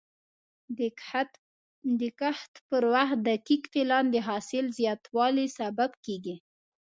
د کښت پر وخت دقیق پلان د حاصل زیاتوالي سبب کېږي.